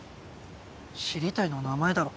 知りたいのは名前だろ。